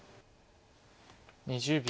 ２０秒。